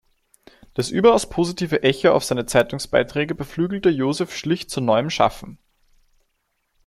Das überaus positive Echo auf seine Zeitungsbeiträge beflügelte Josef Schlicht zu neuem Schaffen.